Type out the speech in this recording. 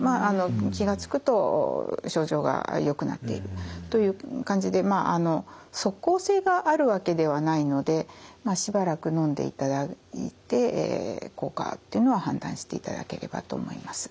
まああの気が付くと症状がよくなっているという感じで即効性があるわけではないのでしばらくのんでいただいて効果っていうのは判断していただければと思います。